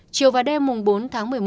chiều và đêm bốn tháng một mươi một